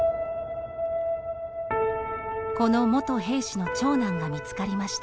この元兵士の長男が見つかりました。